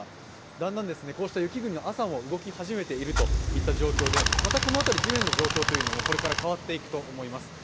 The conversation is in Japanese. だんだんこうした雪国の朝も動き始めているといった状況でまたこの辺り地面の状況というのもこれから変わってくると思います。